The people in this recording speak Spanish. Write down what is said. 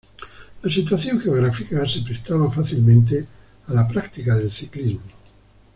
La situación geográfica se prestaba fácilmente a la práctica del ciclismo.